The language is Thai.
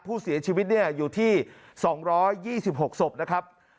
ผู้เสียชีวิตอยู่ที่๒๒๖ศพนะครับ